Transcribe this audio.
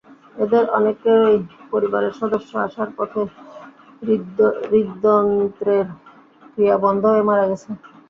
এদের অনেকেরই পরিবারের সদস্য আসার পথে হৃদ্যন্ত্রের ক্রিয়া বন্ধ হয়ে মারা গেছে।